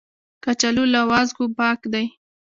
کچالو له وازګو پاک دي